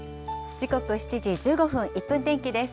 時刻７時１５分、１分天気です。